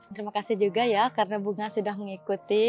terima kasih juga ya karena bunga sudah mengikuti